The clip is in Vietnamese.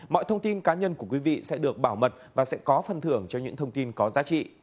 mọi thông tin cá nhân của quý vị sẽ được bảo mật và sẽ có phân thưởng cho những thông tin có giá trị